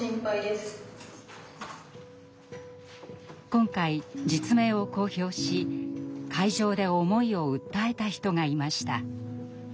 今回実名を公表し会場で思いを訴えた人がいました。